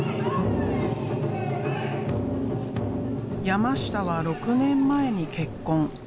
山下は６年前に結婚。